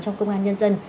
trong công an nhân dân